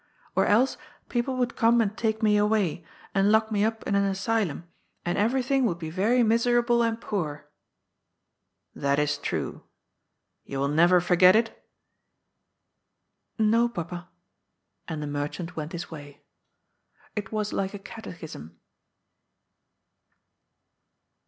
^' Or else people would come and take me away, and lock me up in an asylum, and everything would be very miserable and poor." " That is true. You will never forget it ?"" No, Papa." And the merchant went his way. It was like a catechism.